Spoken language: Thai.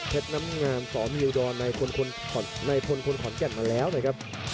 เพชรน้ำงาม๒มิวดอนในคนคนขอนแก่นมาแล้วนะครับ